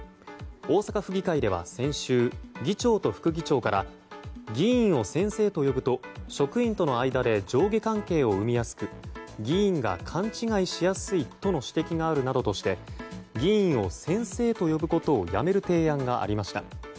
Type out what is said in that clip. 大阪府議会では先週議長と副議長から議員を「先生」と呼ぶと職員との間で上下関係を生みやすく議員が勘違いしやすいとの指摘があるなどとして議員を「先生」と呼ぶことをやめる提案がありました。